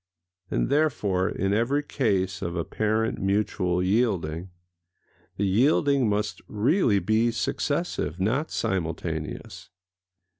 And therefore in every case of apparent mutual yielding, the yielding must really be successive, not simultaneous.